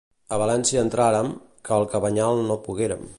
A València entràrem, que al Cabanyal no poguérem.